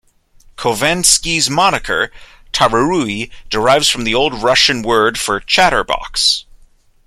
Khovansky's moniker, Tararui, derives from the old Russian word for "chatterbox".